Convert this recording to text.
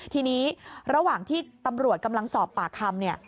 ทีนี้ระหว่างที่ตำรวจกำลังสอบปากคำเนี่ย